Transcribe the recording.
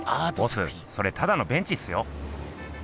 ボスそれただのベンチっすよ。